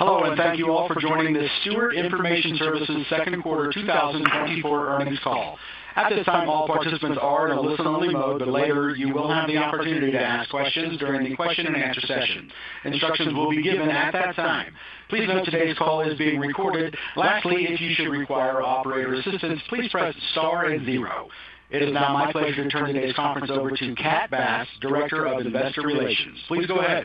Hello, and thank you all for joining the Stewart Information Services Second Quarter 2024 Earnings Call. At this time, all participants are in a listen-only mode, but later you will have the opportunity to ask questions during the question-and-answer session. Instructions will be given at that time. Please note today's call is being recorded. Lastly, if you should require operator assistance, please press star and zero. It is now my pleasure to turn today's conference over to Kat Bass, Director of Investor Relations. Please go ahead.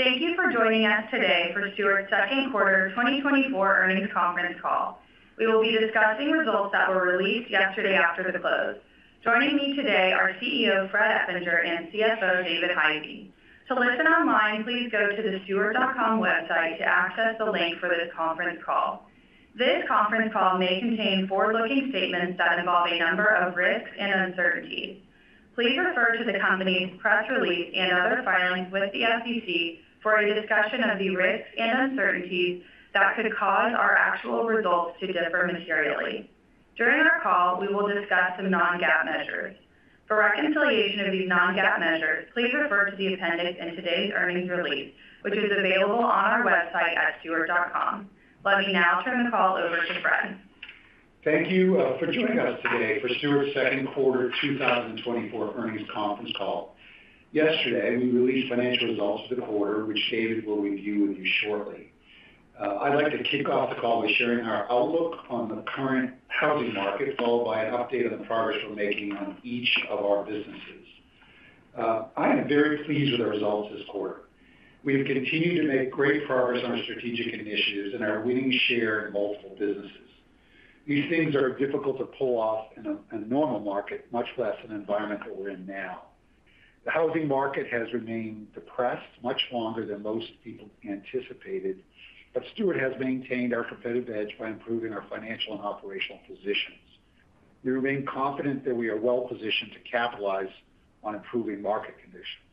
Thank you for joining us today for Stewart's second quarter 2024 earnings conference call. We will be discussing results that were released yesterday after the close. Joining me today are CEO Fred Eppinger and CFO David Hisey. To listen online, please go to the stewart.com website to access the link for this conference call. This conference call may contain forward-looking statements that involve a number of risks and uncertainties. Please refer to the company's press release and other filings with the SEC for a discussion of the risks and uncertainties that could cause our actual results to differ materially. During our call, we will discuss some non-GAAP measures. For reconciliation of these non-GAAP measures, please refer to the appendix in today's earnings release, which is available on our website at stewart.com. Let me now turn the call over to Fred. Thank you for joining us today for Stewart's second quarter 2024 earnings conference call. Yesterday, we released financial results for the quarter, which David will review with you shortly. I'd like to kick off the call by sharing our outlook on the current housing market, followed by an update on the progress we're making on each of our businesses. I am very pleased with the results this quarter. We have continued to make great progress on our strategic initiatives and are winning share in multiple businesses. These things are difficult to pull off in a normal market, much less an environment that we're in now. The housing market has remained depressed much longer than most people anticipated, but Stewart has maintained our competitive edge by improving our financial and operational positions. We remain confident that we are well-positioned to capitalize on improving market conditions.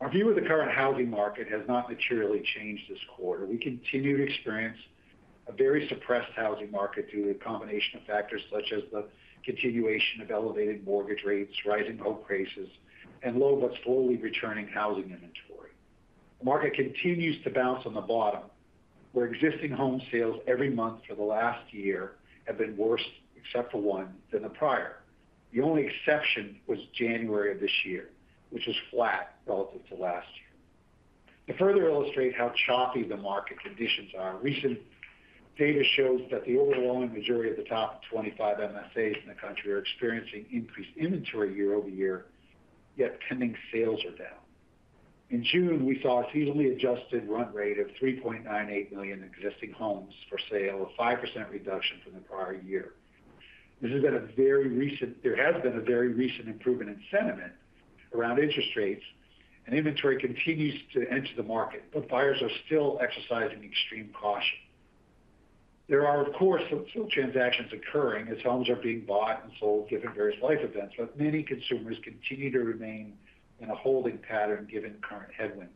Our view of the current housing market has not materially changed this quarter. We continue to experience a very suppressed housing market due to a combination of factors such as the continuation of elevated mortgage rates, rising home prices, and low but slowly returning housing inventory. The market continues to bounce on the bottom, where existing home sales every month for the last year have been worse, except for one, than the prior. The only exception was January of this year, which was flat relative to last year. To further illustrate how choppy the market conditions are, recent data shows that the overwhelming majority of the top 25 MSAs in the country are experiencing increased inventory year-over-year, yet pending sales are down. In June, we saw a seasonally adjusted run rate of 3.98 million existing homes for sale, a 5% reduction from the prior year. There has been a very recent improvement in sentiment around interest rates, and inventory continues to enter the market, but buyers are still exercising extreme caution. There are, of course, some transactions occurring as homes are being bought and sold given various life events, but many consumers continue to remain in a holding pattern given current headwinds.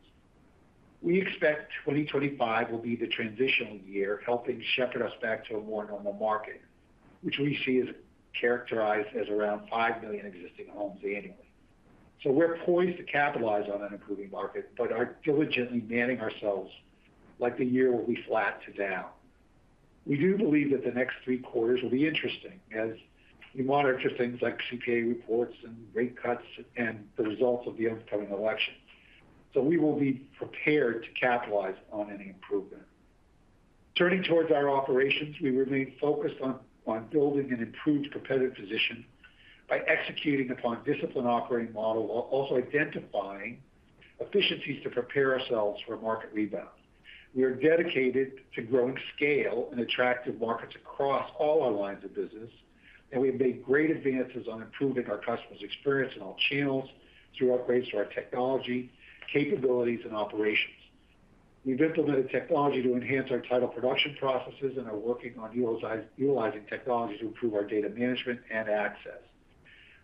We expect 2025 will be the transitional year, helping shepherd us back to a more normal market, which we see is characterized as around 5 million existing homes annually. So we're poised to capitalize on an improving market but are diligently manning ourselves like the year will be flat to down. We do believe that the next three quarters will be interesting as we monitor things like CPI reports and rate cuts and the results of the upcoming election. So we will be prepared to capitalize on any improvement. Turning towards our operations, we remain focused on building an improved competitive position by executing upon a disciplined operating model, while also identifying efficiencies to prepare ourselves for a market rebound. We are dedicated to growing scale and attractive markets across all our lines of business, and we have made great advances on improving our customers' experience in all channels through upgrades to our technology, capabilities, and operations. We've implemented technology to enhance our title production processes and are working on utilizing technology to improve our data management and access.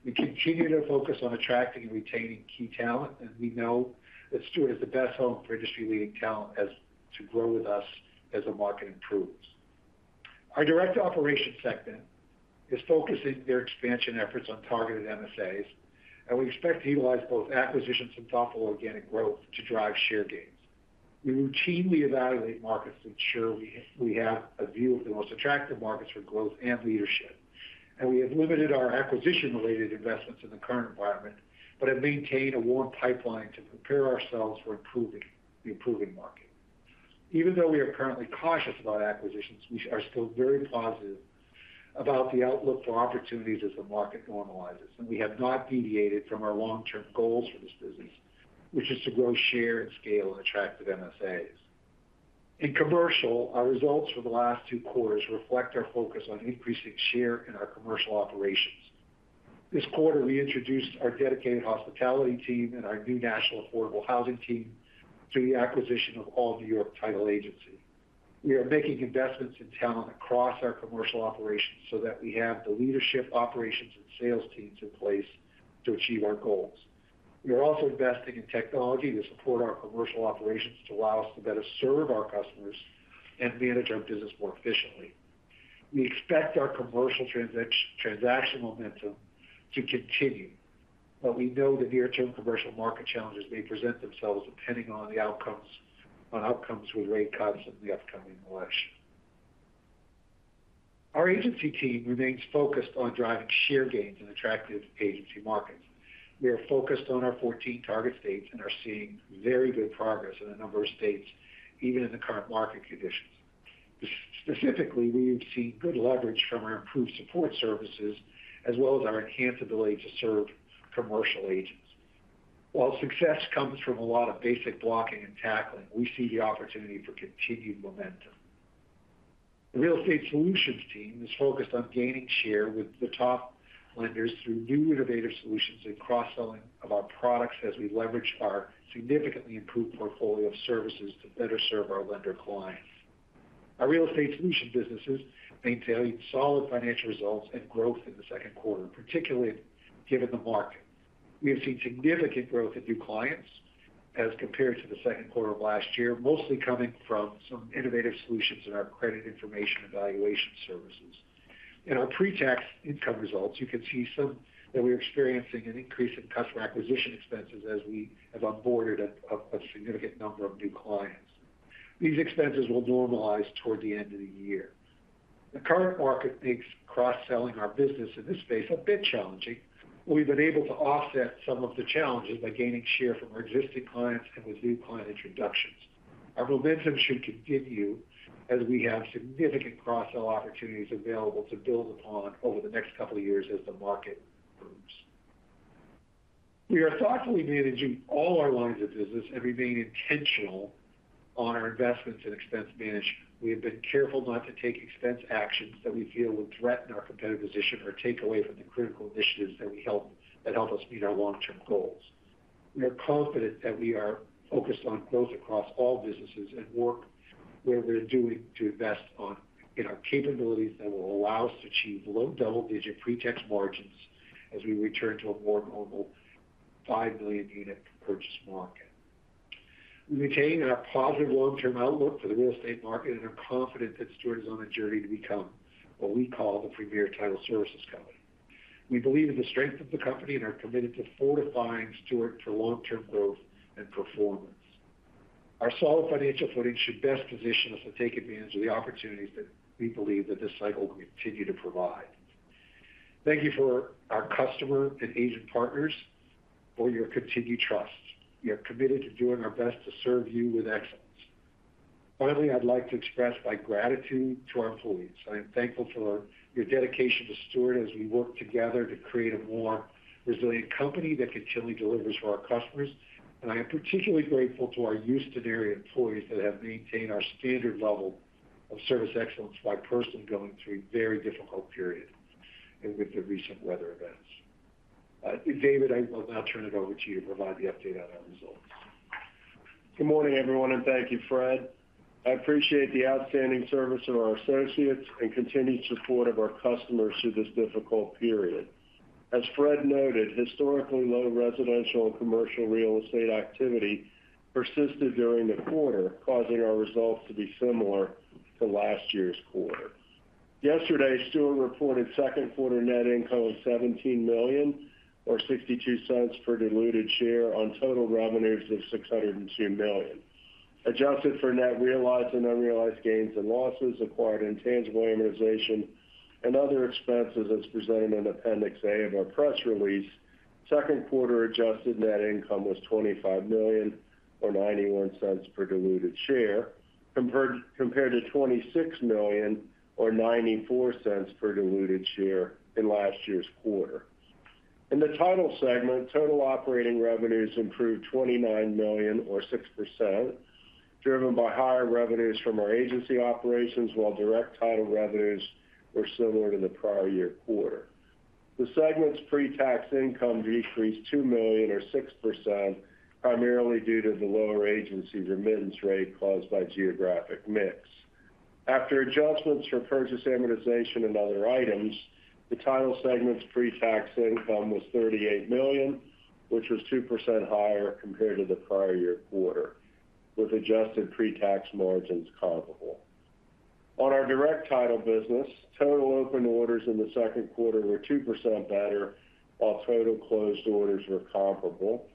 We continue to focus on attracting and retaining key talent, and we know that Stewart is the best home for industry-leading talent as to grow with us as the market improves. Our direct operations segment is focusing their expansion efforts on targeted MSAs, and we expect to utilize both acquisitions and thoughtful organic growth to drive share gains. We routinely evaluate markets to ensure we have a view of the most attractive markets for growth and leadership. We have limited our acquisition-related investments in the current environment, but have maintained a warm pipeline to prepare ourselves for the improving market. Even though we are currently cautious about acquisitions, we are still very positive about the outlook for opportunities as the market normalizes, and we have not deviated from our long-term goals for this business, which is to grow share and scale in attractive MSAs. In commercial, our results for the last two quarters reflect our focus on increasing share in our commercial operations. This quarter, we introduced our dedicated hospitality team and our new national affordable housing team through the acquisition of All New York Title Agency. We are making investments in talent across our commercial operations so that we have the leadership, operations, and sales teams in place to achieve our goals. We are also investing in technology to support our commercial operations, to allow us to better serve our customers and manage our business more efficiently.... We expect our commercial transaction momentum to continue, but we know that near-term commercial market challenges may present themselves depending on outcomes with rate cuts in the upcoming election. Our agency team remains focused on driving share gains in attractive agency markets. We are focused on our 14 target states and are seeing very good progress in a number of states, even in the current market conditions. Specifically, we have seen good leverage from our improved support services as well as our enhanced ability to serve commercial agents. While success comes from a lot of basic blocking and tackling, we see the opportunity for continued momentum. The Real Estate Solutions team is focused on gaining share with the top lenders through new innovative solutions and cross-selling of our products as we leverage our significantly improved portfolio of services to better serve our lender clients. Our Real Estate Solutions businesses maintained solid financial results and growth in the second quarter, particularly given the market. We have seen significant growth in new clients as compared to the second quarter of last year, mostly coming from some innovative solutions in our credit information evaluation services. In our pre-tax income results, you can see some that we are experiencing an increase in customer acquisition expenses as we have onboarded a significant number of new clients. These expenses will normalize toward the end of the year. The current market makes cross-selling our business in this space a bit challenging. We've been able to offset some of the challenges by gaining share from our existing clients and with new client introductions. Our momentum should continue as we have significant cross-sell opportunities available to build upon over the next couple of years as the market improves. We are thoughtfully managing all our lines of business and remaining intentional on our investments in expense management. We have been careful not to take expense actions that we feel will threaten our competitive position or take away from the critical initiatives that help us meet our long-term goals. We are confident that we are focused on growth across all businesses and work where we're doing to invest in our capabilities that will allow us to achieve low double-digit pre-tax margins as we return to a more normal 5 million unit purchase market. We maintain our positive long-term outlook for the real estate market and are confident that Stewart is on a journey to become what we call the premier title services company. We believe in the strength of the company and are committed to fortifying Stewart for long-term growth and performance. Our solid financial footing should best position us to take advantage of the opportunities that we believe that this cycle will continue to provide. Thank you for our customer and agent partners for your continued trust. We are committed to doing our best to serve you with excellence. Finally, I'd like to express my gratitude to our employees. I am thankful for your dedication to Stewart as we work together to create a more resilient company that continually delivers for our customers. And I am particularly grateful to our Houston area employees that have maintained our standard level of service excellence by personally going through a very difficult period and with the recent weather events. David, I will now turn it over to you to provide the update on our results. Good morning, everyone, and thank you, Fred. I appreciate the outstanding service of our associates and continued support of our customers through this difficult period. As Fred noted, historically low residential and commercial real estate activity persisted during the quarter, causing our results to be similar to last year's quarter. Yesterday, Stewart reported second quarter net income of $17 million, or $0.62 per diluted share on total revenues of $602 million. Adjusted for net realized and unrealized gains and losses, acquired intangible amortization, and other expenses, as presented in Appendix A of our press release. Second quarter adjusted net income was $25 million, or $0.91 per diluted share, compared to $26 million or $0.94 per diluted share in last year's quarter. In the title segment, total operating revenues improved $29 million or 6%, driven by higher revenues from our agency operations, while direct title revenues were similar to the prior year quarter. The segment's pre-tax income decreased $2 million or 6%, primarily due to the lower agency remittance rate caused by geographic mix. After adjustments for purchase amortization and other items, the title segment's pre-tax income was $38 million, which was 2% higher compared to the prior year quarter, with adjusted pre-tax margins comparable. On our direct title business, total open orders in the second quarter were 2% better, while total closed orders were comparable.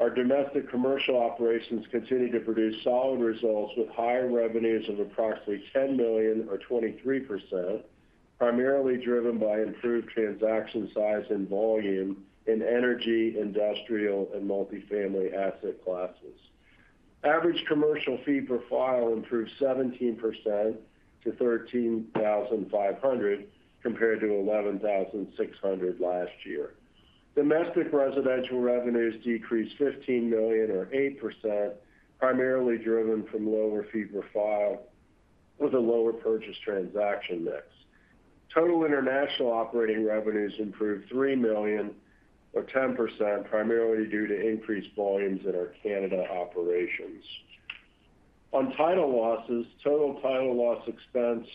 Our domestic commercial operations continued to produce solid results, with higher revenues of approximately $10 million or 23%, primarily driven by improved transaction size and volume in energy, industrial and multifamily asset classes. Average commercial fee per file improved 17% to $13,500, compared to $11,600 last year. Domestic residential revenues decreased $15 million or 8%, primarily driven from lower fee per file with a lower purchase transaction mix. Total international operating revenues improved $3 million or 10%, primarily due to increased volumes in our Canada operations. On title losses, total title loss expense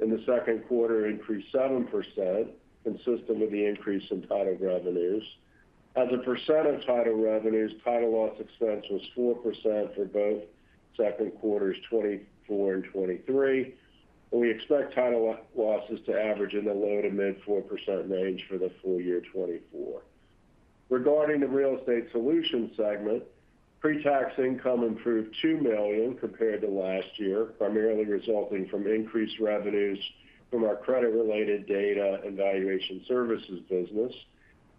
in the second quarter increased 7%, consistent with the increase in title revenues. As a percent of title revenues, title loss expense was 4% for both second quarters, 2024 and 2023. We expect title losses to average in the low- to mid-4% range for the full year 2024. Regarding the Real Estate Solutions segment, pre-tax income improved $2 million compared to last year, primarily resulting from increased revenues from our credit-related data and valuation services business.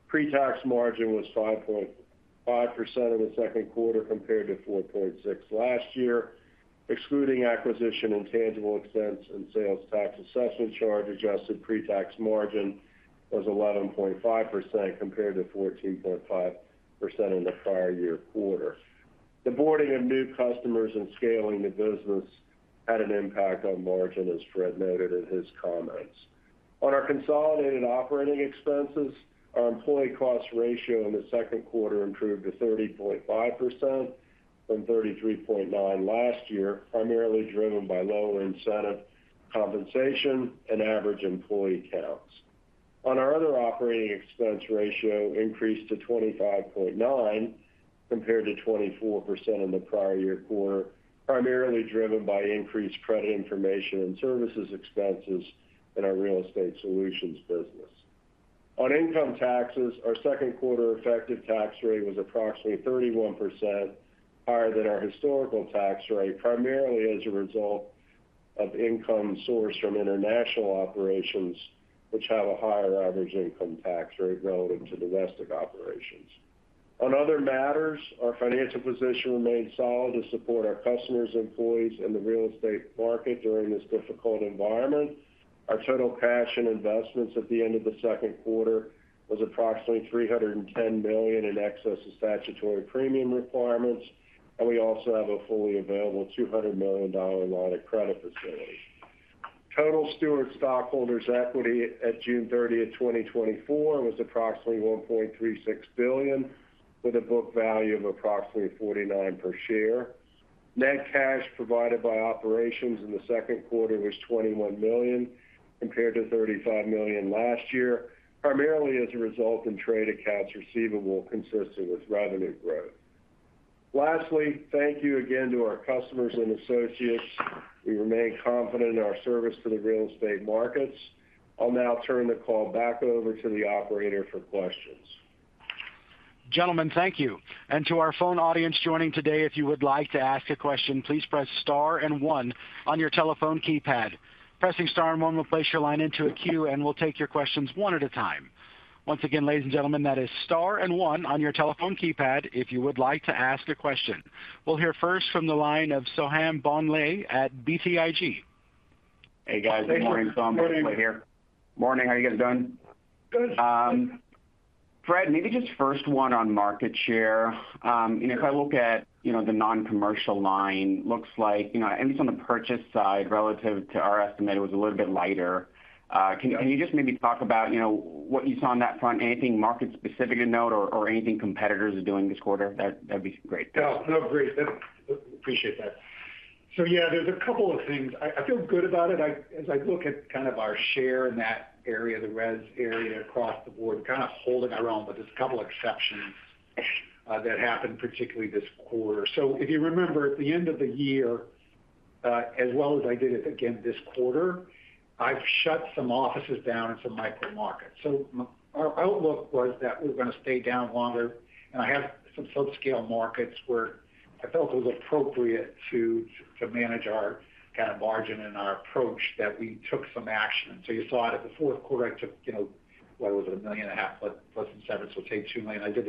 Pre-tax margin was 5.5% in the second quarter, compared to 4.6% last year. Excluding acquisition, intangible expense, and sales tax assessment charge, adjusted pre-tax margin was 11.5%, compared to 14.5% in the prior year quarter. The boarding of new customers and scaling the business had an impact on margin, as Fred noted in his comments. On our consolidated operating expenses, our employee cost ratio in the second quarter improved to 30.5% from 33.9% last year, primarily driven by lower incentive compensation and average employee counts. On our other operating expense ratio increased to 25.9%, compared to 24% in the prior year quarter, primarily driven by increased credit information and services expenses in our Real Estate Solutions business. On income taxes, our second quarter effective tax rate was approximately 31%, higher than our historical tax rate, primarily as a result of income sourced from international operations, which have a higher average income tax rate relative to domestic operations. On other matters, our financial position remains solid to support our customers, employees, and the real estate market during this difficult environment. Our total cash and investments at the end of the second quarter was approximately $310 million in excess of statutory premium requirements, and we also have a fully available $200 million line of credit facility. Total Stewart stockholders' equity at June 30, 2024, was approximately $1.36 billion, with a book value of approximately $49 per share. Net cash provided by operations in the second quarter was $21 million, compared to $35 million last year, primarily as a result in trade accounts receivable consistent with revenue growth. Lastly, thank you again to our customers and associates. We remain confident in our service to the real estate markets. I'll now turn the call back over to the operator for questions. Gentlemen, thank you. To our phone audience joining today, if you would like to ask a question, please press star and one on your telephone keypad. Pressing star and one will place your line into a queue, and we'll take your questions one at a time. Once again, ladies and gentlemen, that is star and one on your telephone keypad if you would like to ask a question. We'll hear first from the line of Soham Bhonsle at BTIG. Hey, guys. Good morning. Soham Bhonsle here. Morning. Morning, how you guys doing? Good. Fred, maybe just first one on market share. You know, if I look at, you know, the non-commercial line, looks like, you know, at least on the purchase side, relative to our estimate, it was a little bit lighter. Yeah Can you just maybe talk about, you know, what you saw on that front? Anything market-specific to note or anything competitors are doing this quarter, that'd be great. Oh, no, great. That, appreciate that. So yeah, there's a couple of things. I feel good about it. As I look at kind of our share in that area, the res area across the board, kind of holding our own, but there's a couple exceptions that happened, particularly this quarter. So if you remember, at the end of the year, as well as I did it again this quarter, I've shut some offices down in some micro markets. Our outlook was that we're gonna stay down longer, and I have some subscale markets where I felt it was appropriate to manage our kind of margin and our approach, that we took some action. So you saw it in the fourth quarter. I took, you know, what was it? $1.5 million plus incentives, so take $2 million. I did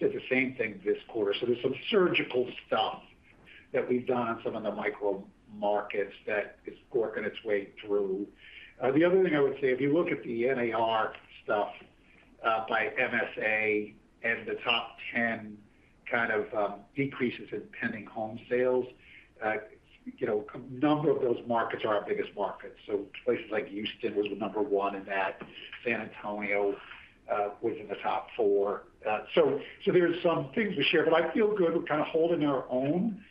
the same thing this quarter. So there's some surgical stuff that we've done on some of the micro markets that is working its way through. The other thing I would say, if you look at the NAR stuff, by MSA and the top 10 kind of decreases in pending home sales, you know, a number of those markets are our biggest markets. So places like Houston was the number one in that. San Antonio was in the top four. So there's some things to share, but I feel good. We're kind of holding our own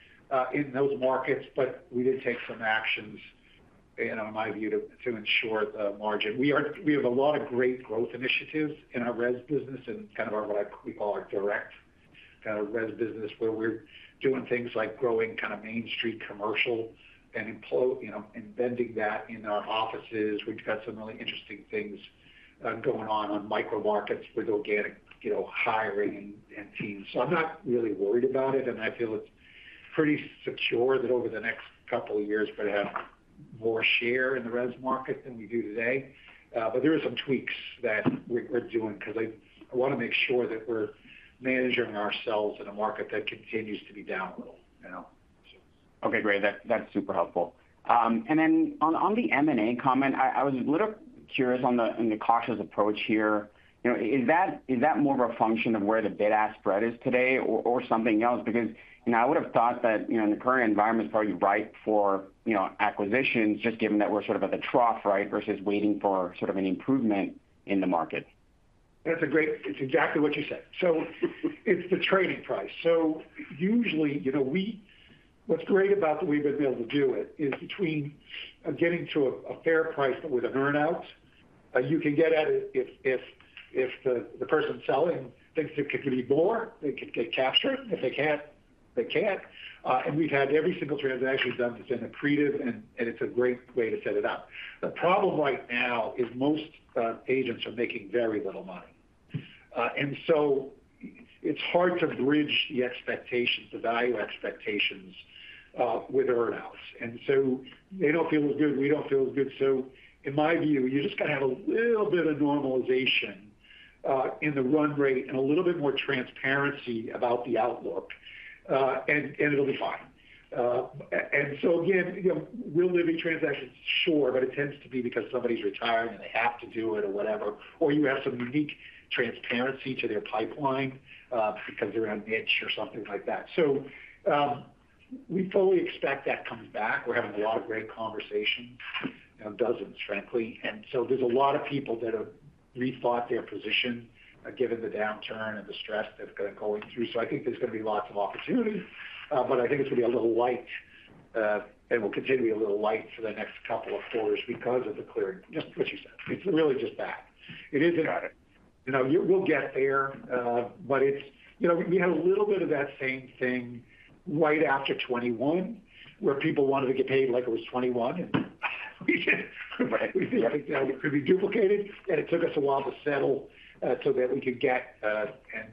in those markets, but we did take some actions, in my view, to ensure the margin. We have a lot of great growth initiatives in our res business and kind of our, what we call our direct kind of res business, where we're doing things like growing kind of Main Street commercial and employ, you know, and bending that in our offices. We've got some really interesting things going on in micro markets with organic, you know, hiring and teams. So I'm not really worried about it, and I feel it's pretty secure that over the next couple of years, we're gonna have more share in the res market than we do today. But there are some tweaks that we're doing because I wanna make sure that we're managing ourselves in a market that continues to be down a little, you know? Okay, great. That's, that's super helpful. And then on the M&A comment, I was a little curious on the cautious approach here. You know, is that more of a function of where the bid-ask spread is today or something else? Because, you know, I would have thought that, you know, in the current environment is probably ripe for, you know, acquisitions, just given that we're sort of at the trough, right? Versus waiting for sort of an improvement in the market. That's a great... It's exactly what you said. So-... It's the trading price. So usually, you know, what's great about that we've been able to do it, is between getting to a fair price but with an earn-out. You can get at it if the person selling thinks it could be more, they could get captured. If they can't, they can't. And we've had every single transaction done that's been accretive, and it's a great way to set it up. The problem right now is most agents are making very little money. And so it's hard to bridge the expectations, the value expectations, with earn-outs. And so they don't feel as good, we don't feel as good. So in my view, you just gotta have a little bit of normalization in the run rate and a little bit more transparency about the outlook, and it'll be fine. And so again, you know, real living transactions, sure, but it tends to be because somebody's retiring, and they have to do it or whatever. Or you have some unique transparency to their pipeline because they're a niche or something like that. So we fully expect that coming back. We're having a lot of great conversations, you know, dozens, frankly. And so there's a lot of people that have rethought their position given the downturn and the stress that's been going through. So I think there's gonna be lots of opportunity, but I think it's gonna be a little light, and will continue to be a little light for the next couple of quarters because of the clearing. Just what you said, it's really just that. It isn't... You know, we'll get there, but it's. You know, we had a little bit of that same thing right after 2021, where people wanted to get paid like it was 2021, and we couldn't. Right. We think that it could be duplicated, and it took us a while to settle, so that we could get, and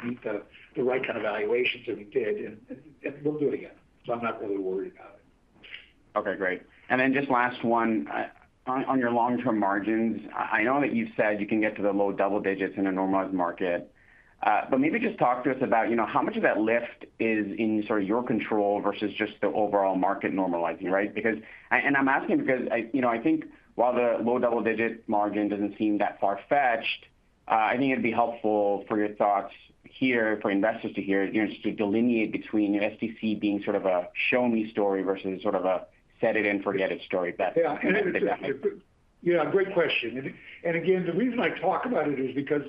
meet the, the right kind of valuations that we did, and, and we'll do it again. So I'm not really worried about it. Okay, great. And then just last one, on your long-term margins, I know that you've said you can get to the low double digits in a normalized market. But maybe just talk to us about, you know, how much of that lift is in sort of your control versus just the overall market normalizing, right? Because... and I'm asking because I, you know, I think while the low double-digit margin doesn't seem that far-fetched, I think it'd be helpful for your thoughts here, for investors to hear, you know, just to delineate between STC being sort of a show me story versus sort of a set it and forget it story if that- Yeah, and it. Yeah, great question. And, and again, the reason I talk about it is because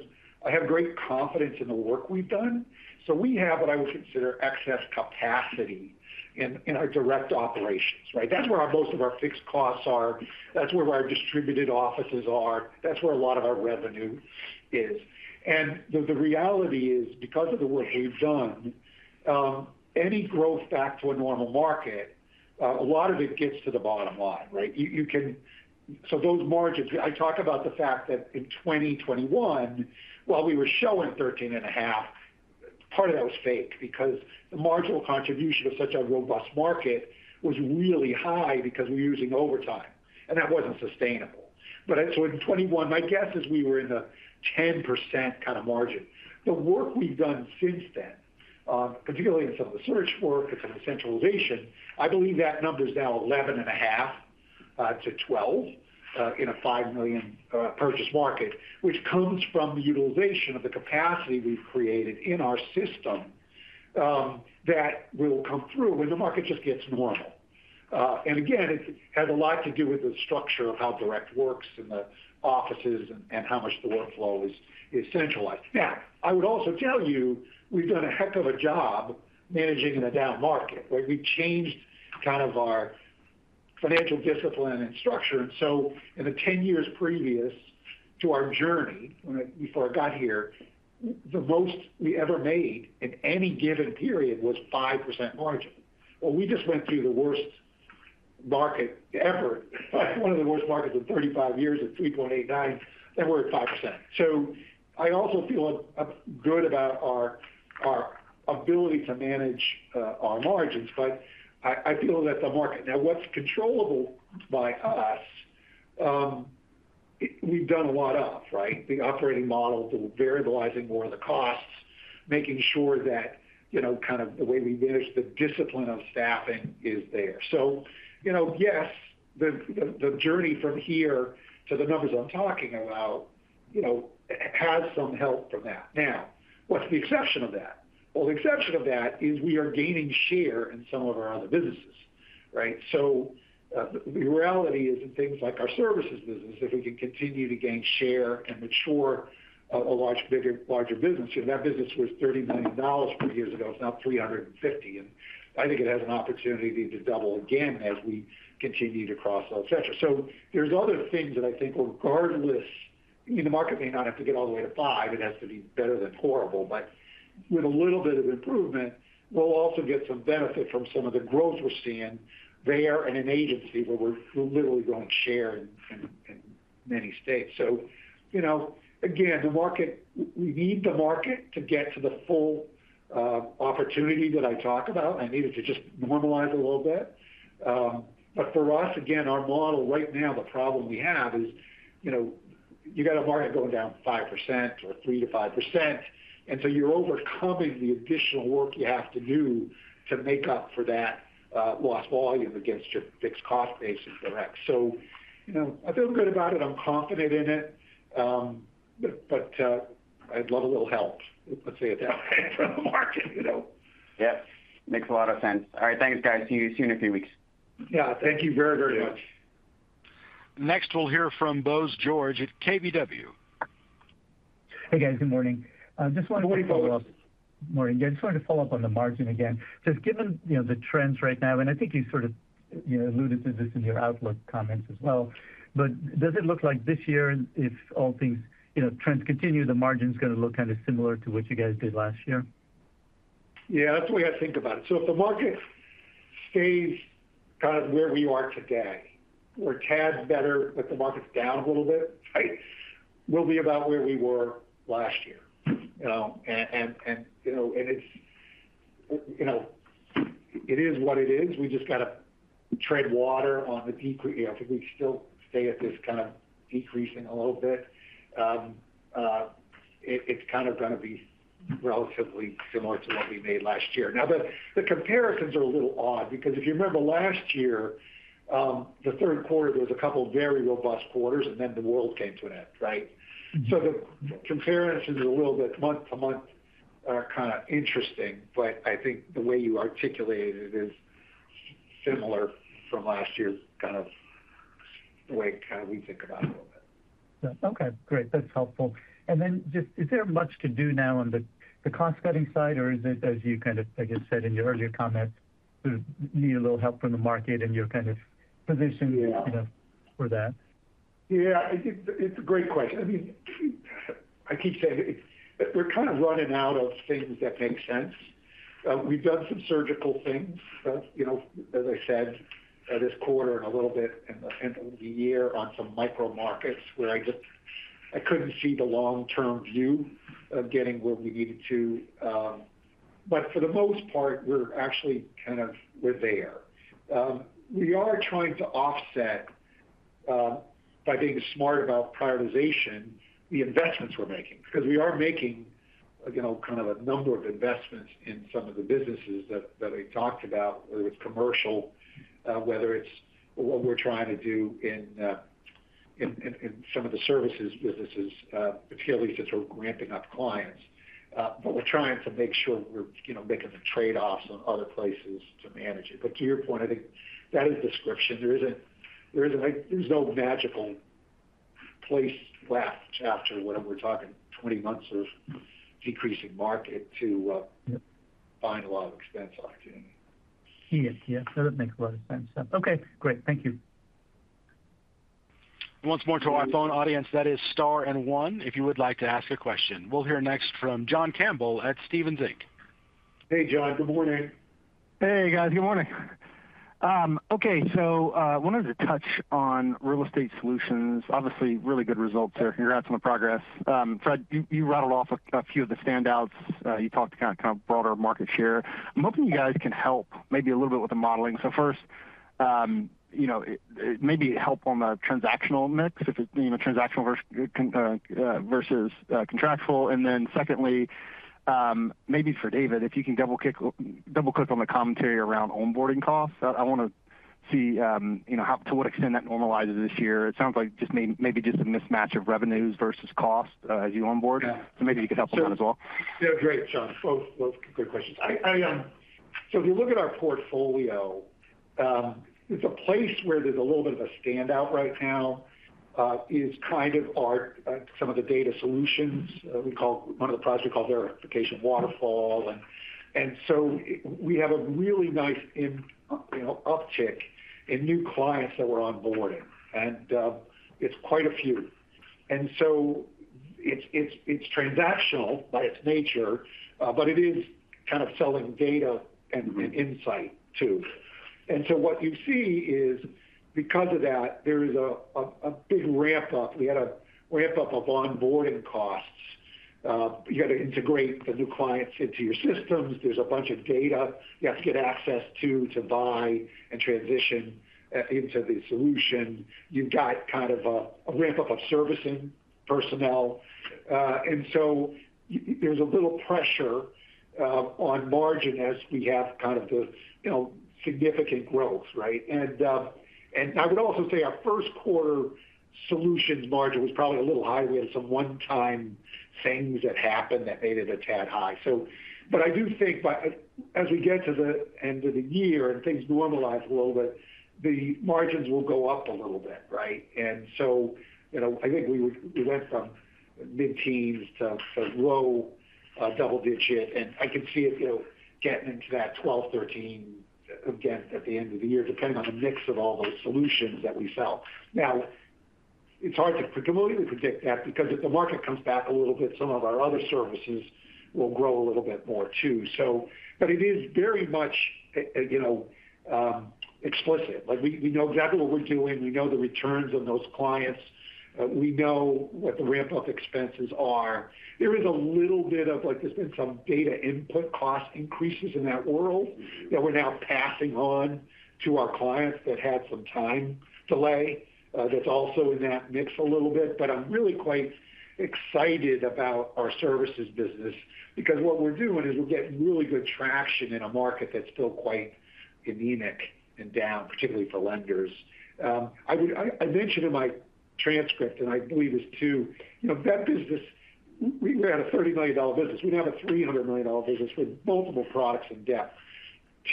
I have great confidence in the work we've done. So we have what I would consider excess capacity in our direct operations, right? That's where most of our fixed costs are, that's where our distributed offices are, that's where a lot of our revenue is. And the reality is, because of the work we've done, any growth back to a normal market, a lot of it gets to the bottom line, right? You can-- So those margins, I talk about the fact that in 2021, while we were showing 13.5, part of that was fake because the marginal contribution of such a robust market was really high because we were using overtime, and that wasn't sustainable. But so in 2021, my guess is we were in the 10% kind of margin. The work we've done since then, particularly in some of the search work and some of the centralization, I believe that number is now 11.5%-12% in a $5 million purchase market, which comes from the utilization of the capacity we've created in our system, that will come through when the market just gets normal. And again, it has a lot to do with the structure of how direct works in the offices and how much the workflow is centralized. Now, I would also tell you, we've done a heck of a job managing in a down market. Like, we've changed kind of our financial discipline and structure. And so in the 10 years previous to our journey, before I got here, the most we ever made in any given period was 5% margin. Well, we just went through the worst market ever, one of the worst markets in 35 years at 3.89, and we're at 5%. So I also feel good about our ability to manage our margins, but I feel that's the market. Now, what's controllable by us, we've done a lot of, right? The operating model, the variablizing more of the costs, making sure that, you know, kind of the way we manage the discipline of staffing is there. So, you know, yes, the journey from here to the numbers I'm talking about, you know, has some help from that. Now, what's the exception of that? Well, the exception of that is we are gaining share in some of our other businesses, right? So, the reality is in things like our services business, if we can continue to gain share and mature a large, bigger, larger business, you know, that business was $30 million per year years ago, it's now $350 million. And I think it has an opportunity to double again as we continue to cross those thresholds. So there's other things that I think regardless... I mean, the market may not have to get all the way to 5, it has to be better than horrible, but with a little bit of improvement, we'll also get some benefit from some of the growth we're seeing there in an agency where we're literally growing share in many states. So you know, again, the market—we need the market to get to the full opportunity that I talk about. I need it to just normalize a little bit. But for us, again, our model right now, the problem we have is, you know, you got a market going down 5% or 3%-5%, and so you're overcoming the additional work you have to do to make up for that lost volume against your fixed cost base in direct. So, you know, I feel good about it, I'm confident in it, but, but, I'd love a little help, let's say it that way, from the market, you know? Yep. Makes a lot of sense. All right, thanks, guys. See you soon in a few weeks. Yeah. Thank you very, very much.... Next, we'll hear from Bose George at KBW. Hey, guys. Good morning. I just wanted to follow up- Good morning. Morning. Yeah, just wanted to follow up on the margin again. Just given, you know, the trends right now, and I think you sort of, you know, alluded to this in your outlook comments as well, but does it look like this year, if all things, you know, trends continue, the margin's gonna look kind of similar to what you guys did last year? Yeah, that's the way I think about it. So if the market stays kind of where we are today or a tad better, but the market's down a little bit, right? We'll be about where we were last year. You know, and it's, you know, it is what it is. We just gotta tread water. You know, I think we still stay at this kind of decreasing a little bit. It, it's kind of gonna be relatively similar to what we made last year. Now, the comparisons are a little odd, because if you remember last year, the third quarter, there was a couple very robust quarters, and then the world came to an end, right? Mm-hmm. So the comparisons are a little bit month-to-month, are kind of interesting, but I think the way you articulated it is similar from last year, kind of the way kind of we think about it a little bit. Yeah. Okay, great. That's helpful. And then just, is there much to do now on the cost-cutting side, or is it, as you kind of, I guess, said in your earlier comments, you need a little help from the market, and you're kind of positioned- Yeah... you know, for that? Yeah, it's a great question. I mean, I keep saying it, we're kind of running out of things that make sense. We've done some surgical things, you know, as I said, this quarter and a little bit in the end of the year on some micro markets where I just couldn't see the long-term view of getting where we needed to. But for the most part, we're actually kind of, we're there. We are trying to offset by being smart about prioritization, the investments we're making. Because we are making, you know, kind of a number of investments in some of the businesses that I talked about, whether it's commercial, whether it's what we're trying to do in some of the services businesses, particularly since we're ramping up clients. But we're trying to make sure we're, you know, making the trade-offs on other places to manage it. But to your point, I think that is the description. There isn't, there isn't like— there's no magical place left after when we're talking 20 months of decreasing market to, Yep... find a lot of expense opportunity. Yes, yes, that makes a lot of sense. Okay, great. Thank you. Once more to our phone audience, that is star and one, if you would like to ask a question. We'll hear next from John Campbell at Stephens Inc. Hey, John. Good morning. Hey, guys. Good morning. Okay, so wanted to touch on Real Estate Solutions. Obviously, really good results there. Congrats on the progress. Fred, you rattled off a few of the standouts. You talked to kind of broader market share. I'm hoping you guys can help maybe a little bit with the modeling. So first, you know, maybe help on the transactional mix, if it, you know, transactional versus contractual. And then secondly, maybe for David, if you can double-click on the commentary around onboarding costs. I wanna see, you know, how to what extent that normalizes this year. It sounds like just maybe a mismatch of revenues versus costs, as you onboard. Yeah. Maybe you can help them out as well. Yeah, great, John. Both good questions. So if you look at our portfolio, there's a place where there's a little bit of a standout right now, is kind of our some of the data solutions. We call one of the projects Verification Waterfall. And so we have a really nice, you know, uptick in new clients that we're onboarding, and it's quite a few. And so it's transactional by its nature, but it is kind of selling data and insight too. And so what you see is, because of that, there is a big ramp-up. We had a ramp-up of onboarding costs. You got to integrate the new clients into your systems. There's a bunch of data you have to get access to, to buy and transition into the solution. You've got kind of a ramp-up of servicing personnel, and so there's a little pressure on margin as we have kind of the significant growth, right? And I would also say our first quarter solutions margin was probably a little high. We had some one-time things that happened that made it a tad high. So, but I do think by as we get to the end of the year and things normalize a little bit, the margins will go up a little bit, right? And so, you know, I think we went from mid-teens to low double digits, and I can see it, you know, getting into that 12, 13 again at the end of the year, depending on the mix of all those solutions that we sell. Now, it's hard to completely predict that, because if the market comes back a little bit, some of our other services will grow a little bit more too, so. But it is very much, you know, explicit. Like, we know exactly what we're doing, we know the returns on those clients, we know what the ramp-up expenses are. There is a little bit of, like, there's been some data input cost increases in that world- Mm-hmm... that we're now passing on to our clients that had some time delay. That's also in that mix a little bit, but I'm really quite excited about our services business, because what we're doing is we're getting really good traction in a market that's still quite anemic and down, particularly for lenders. I mentioned in my transcript, and I believe this too, you know, that business, we ran a $30 million business. We now have a $300 million business with multiple products in depth....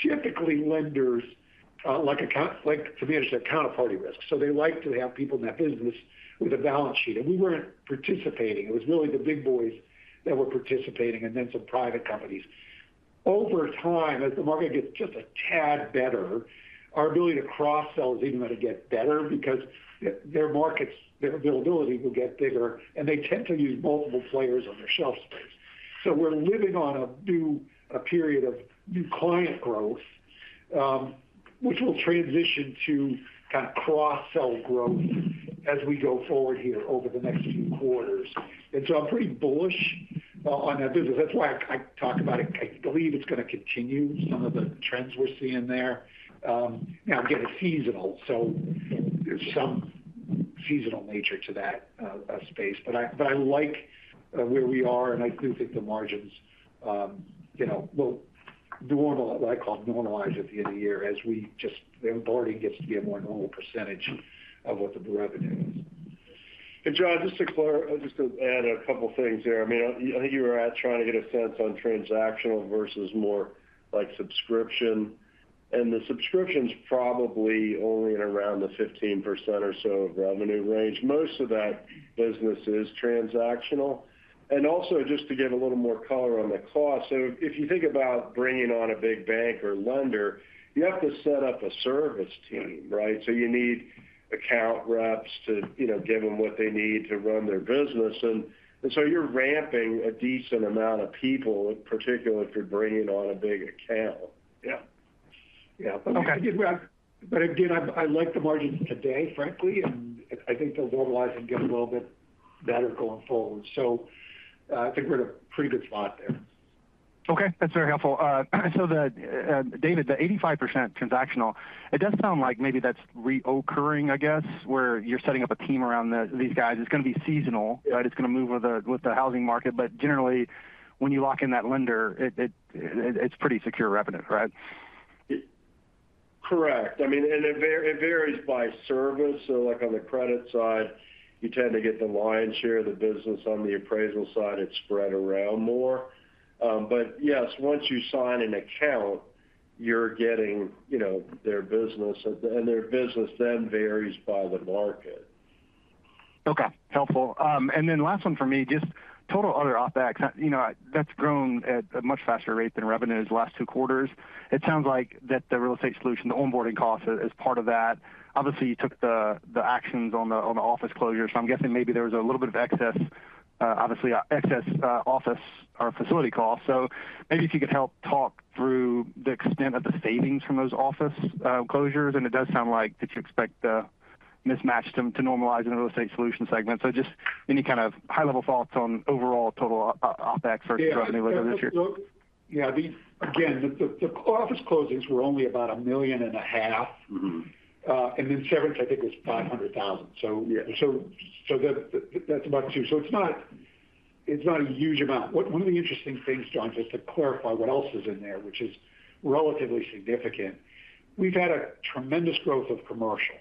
Typically lenders like account, like from the interest of counterparty risk. So they like to have people in that business with a balance sheet, and we weren't participating. It was really the big boys that were participating, and then some private companies. Over time, as the market gets just a tad better, our ability to cross-sell is even going to get better because their markets, their availability will get bigger, and they tend to use multiple players on their shelf space. So we're living on a new, a period of new client growth, which will transition to kind of cross-sell growth as we go forward here over the next few quarters. And so I'm pretty bullish on that business. That's why I talk about it. I believe it's going to continue some of the trends we're seeing there. Now, again, it's seasonal, so there's some seasonal nature to that space. But I like where we are, and I do think the margins, you know, will, what I call, normalize at the end of the year, as the onboarding gets to be a more normal percentage of what the revenue is. And John, just to add a couple of things there. I mean, I think you were trying to get a sense on transactional versus more like subscription. And the subscription's probably only in around the 15% or so of revenue range. Most of that business is transactional. And also, just to give a little more color on the cost. So if you think about bringing on a big bank or lender, you have to set up a service team, right? So you need account reps to, you know, give them what they need to run their business. And so you're ramping a decent amount of people, particularly if you're bringing on a big account. Yeah. Yeah. Okay. But again, I, I like the margins today, frankly, and I think they'll normalize and get a little bit better going forward. So I think we're in a pretty good spot there. Okay, that's very helpful. So the, David, the 85% transactional, it does sound like maybe that's recurring, I guess, where you're setting up a team around these guys. It's going to be seasonal, right? It's going to move with the housing market. But generally, when you lock in that lender, it's pretty secure revenue, correct? It's correct. I mean, and it varies by service. So like on the credit side, you tend to get the lion's share of the business. On the appraisal side, it's spread around more. But yes, once you sign an account, you're getting, you know, their business, and their business then varies by the market. Okay, helpful. And then last one for me, just total other OpEx. You know, that's grown at a much faster rate than revenues the last two quarters. It sounds like that the Real Estate Solutions, the onboarding cost is part of that. Obviously, you took the actions on the office closure, so I'm guessing maybe there was a little bit of excess, obviously, excess office or facility cost. So maybe if you could help talk through the extent of the savings from those office closures. And it does sound like that you expect the mismatch to normalize in the Real Estate Solutions segment. So just any kind of high-level thoughts on overall total OpEx for the revenue this year? Yeah, again, the office closings were only about $1.5 million. Mm-hmm. Then severance, I think, was $500,000. Yeah. That's about two. So it's not a huge amount. One of the interesting things, John, just to clarify what else is in there, which is relatively significant. We've had a tremendous growth of commercial,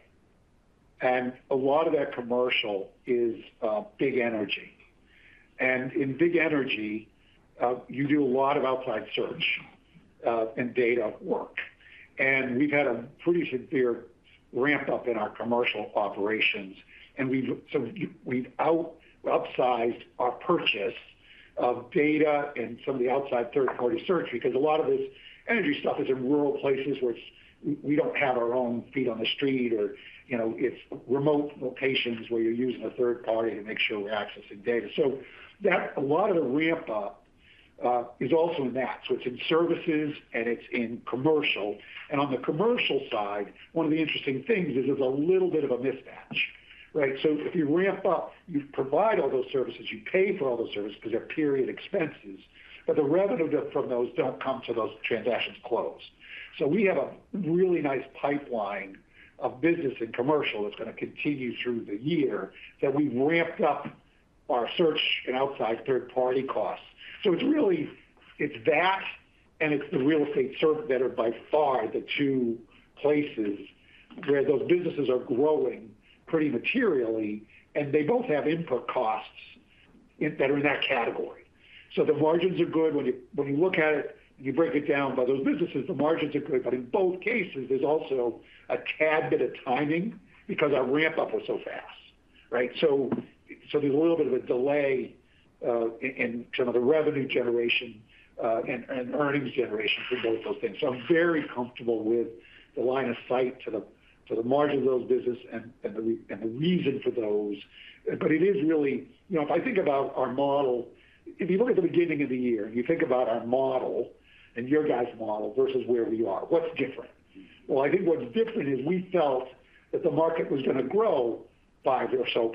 and a lot of that commercial is big energy. And in big energy, you do a lot of outside search and data work. And we've had a pretty severe ramp-up in our commercial operations, and we've outsized our purchase of data and some of the outside third-party search because a lot of this energy stuff is in rural places which we don't have our own feet on the street or, you know, it's remote locations where you're using a third party to make sure we're accessing data. So a lot of the ramp-up is also in that. It's in services, and it's in commercial. And on the commercial side, one of the interesting things is there's a little bit of a mismatch, right? If you ramp up, you provide all those services, you pay for all those services because they're period expenses, but the revenue from those don't come till those transactions close. We have a really nice pipeline of business and commercial that's going to continue through the year, that we've ramped up our search and outside third-party costs. It's really, it's that, and it's the real estate search that are by far the two places where those businesses are growing pretty materially, and they both have input costs in, that are in that category. The margins are good. When you look at it, you break it down by those businesses, the margins are good, but in both cases, there's also a tad bit of timing because our ramp-up was so fast, right? So there's a little bit of a delay in terms of the revenue generation and earnings generation for both those things. So I'm very comfortable with the line of sight to the margin of those business and the reason for those. But it is really... You know, if I think about our model, if you look at the beginning of the year, and you think about our model and your guys' model versus where we are, what's different? Well, I think what's different is we felt that the market was going to grow 5% or so,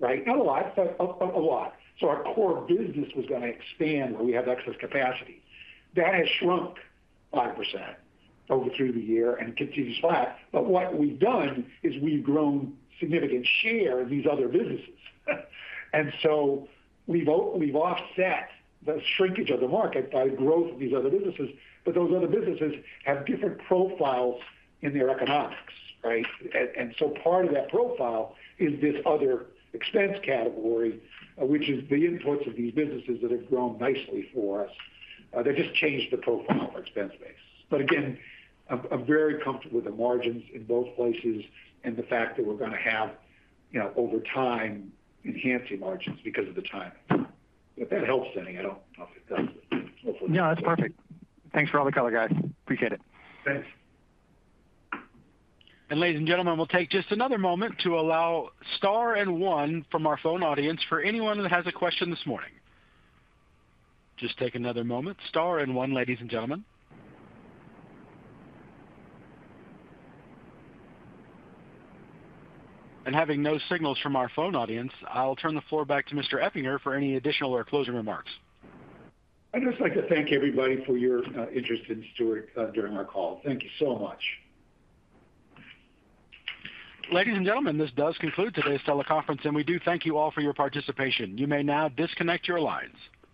right? Not a lot, but a lot. So our core business was going to expand, where we have excess capacity. That has shrunk 5% over the year and continues flat. But what we've done is we've grown significant share in these other businesses. And so we've offset the shrinkage of the market by growth of these other businesses, but those other businesses have different profiles in their economics, right? And so part of that profile is this other expense category, which is the inputs of these businesses that have grown nicely for us. They just changed the profile of our expense base. But again, I'm very comfortable with the margins in both places and the fact that we're going to have, you know, over time, enhancing margins because of the timing. If that helps any, I don't know if it does. No, that's perfect. Thanks for all the color, guys. Appreciate it. Thanks. Ladies and gentlemen, we'll take just another moment to allow star and one from our phone audience for anyone that has a question this morning. Just take another moment. Star and one, ladies and gentlemen. Having no signals from our phone audience, I'll turn the floor back to Mr. Eppinger for any additional or closing remarks. I'd just like to thank everybody for your interest in Stewart during our call. Thank you so much. Ladies and gentlemen, this does conclude today's teleconference, and we do thank you all for your participation. You may now disconnect your lines.